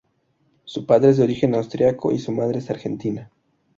Su padre es de origen austriaco y su madre es argentina.